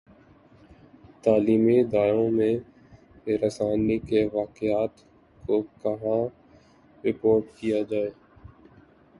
تعلیمی اداروں میں ہراسانی کے واقعات کو کہاں رپورٹ کیا جائے